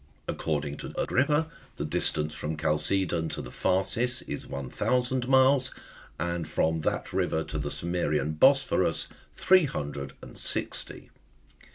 According to Agrippa, the distance from Chalcedon to the Phasis is one thousand miles, and from that river to the Cimmerian Bosporus three hundred, and sixty.